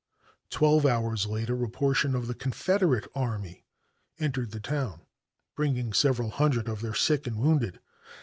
Twelve hours later a portion of the Confederate army entered the town, bringing several hundred of their sick and wounded.